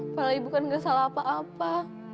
apalagi bukan gak salah apa apa